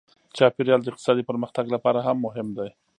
چاپیریال د اقتصادي پرمختګ لپاره هم مهم دی.